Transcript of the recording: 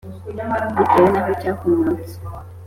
bitewe n'aho cyakomotse.